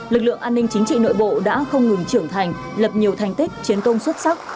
lực lượng an ninh chính trị nội bộ đã không ngừng trưởng thành lập nhiều thành tích chiến công xuất sắc